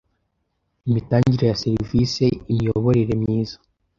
Imitangire ya serivisi Imiyoborere myiza